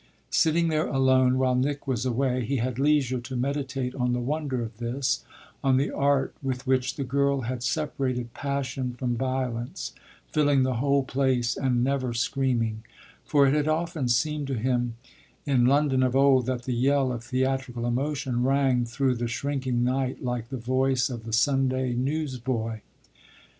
Sitting there alone while Nick was away he had leisure to meditate on the wonder of this on the art with which the girl had separated passion from violence, filling the whole place and never screaming; for it had often seemed to him in London of old that the yell of theatrical emotion rang through the shrinking night like the voice of the Sunday newsboy.